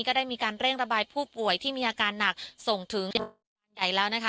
ก็ได้มีการเร่งระบายผู้ป่วยที่มีอาการหนักส่งถึงส่วนใหญ่แล้วนะคะ